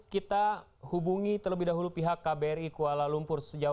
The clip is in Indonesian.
kita hubungi terlebih dahulu pihak kbri kuala lumpur sejauh apa upaya pemerintah berusaha memberikan informasi